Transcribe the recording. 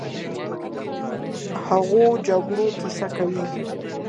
د هغو جګړو کیسه کوي،